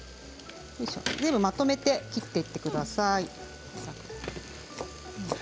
全部まとめて切っていってください。